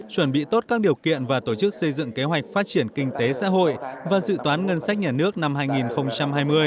chuẩn bị tốt các điều kiện và tổ chức xây dựng kế hoạch phát triển kinh tế xã hội và dự toán ngân sách nhà nước năm hai nghìn hai mươi